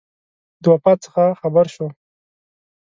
د وفات څخه خبر شو.